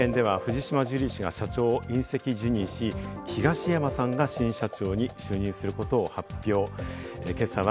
会見では藤島ジュリー氏が社長を引責辞任し、東山氏が新社長に就任することを発表。